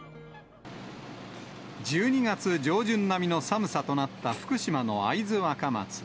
１２月上旬並みの寒さとなった福島の会津若松。